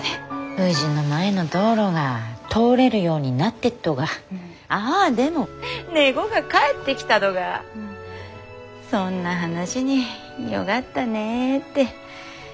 うぢの前の道路が通れるようになってっとがああでも猫が帰ってきたどがそんな話によがったねってみんなで言ってね。